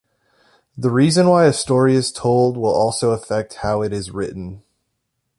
The reason why a story is told will also affect how it is written.